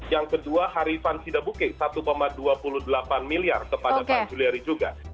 yang kedua harifan sidabuke satu dua puluh delapan miliar kepada pak juliari juga